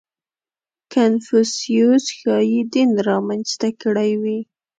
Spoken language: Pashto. • کنفوسیوس ښایي دین را منځته کړی وي.